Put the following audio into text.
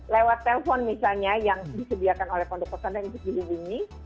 lewat telepon misalnya yang disediakan oleh pondok pesantren di sini